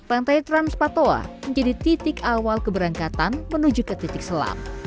pantai transpatoa menjadi titik awal keberangkatan menuju ke titik selam